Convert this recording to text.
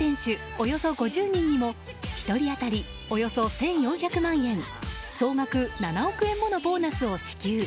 およそ５０人にも１人当たり、およそ１４００万円総額７億円ものボーナスを支給。